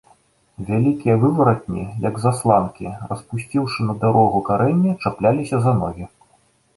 Вялікія вываратні, як засланкі, распусціўшы на дарогу карэнні, чапляліся за ногі.